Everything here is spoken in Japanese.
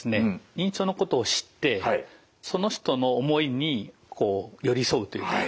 認知症のことを知ってその人の思いにこう寄り添うというか理解すると。